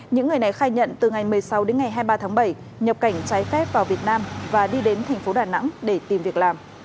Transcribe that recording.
những người này khai nhận từ ngày một mươi sáu đến ngày hai mươi ba tháng bảy nhập cảnh trái phép vào việt nam và đi đến thành phố đà nẵng để tìm việc làm